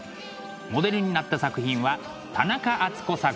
モデルになった作品は田中敦子作